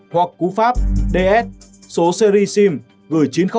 hoặc cú pháp ds số series sim gửi chín trăm linh